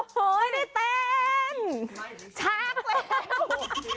มึงไม่กับเต้นช้าแล้ว